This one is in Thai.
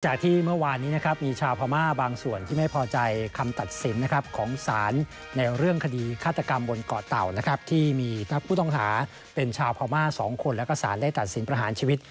ที่เมื่อวานนี้นะครับมีชาวพม่าบางส่วนที่ไม่พอใจคำตัดสินนะครับของศาลในเรื่องคดีฆาตกรรมบนเกาะเต่านะครับที่มีผู้ต้องหาเป็นชาวพม่า๒คนแล้วก็สารได้ตัดสินประหารชีวิต